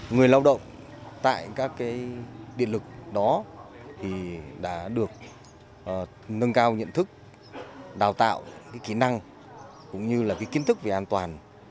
người lao động tại các điện lực đó đã được nâng cao nhận thức đào tạo kỹ năng cũng như là kiến thức về an toàn